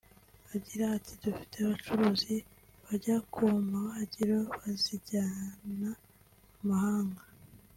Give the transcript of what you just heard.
Agira ati “Dufite abacuruzi bajyaga ku mabagiro bazijyana mu mahanga